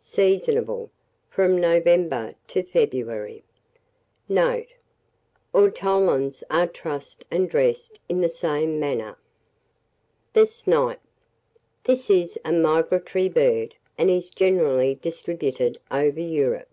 Seasonable from November to February. Note. Ortolans are trussed and dressed in the same manner. [Illustration: THE SNIPE.] THE SNIPE. This is a migratory bird, and is generally distributed over Europe.